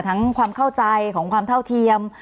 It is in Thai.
ความเข้าใจของความเท่าเทียม